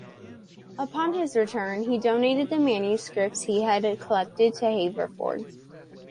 Upon his return, he donated the manuscripts he had collected to Haverford.